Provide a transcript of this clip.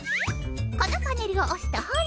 このパネルを押すとほら！